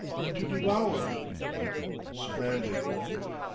To devour Stranded!...